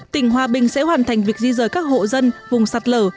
tỉnh hòa bình sẽ hoàn thành việc di rời các hộ dân vùng sạt lở